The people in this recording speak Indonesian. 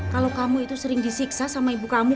kalau kamu itu sering disiksa sama ibu kamu